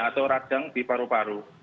atau radang di paru paru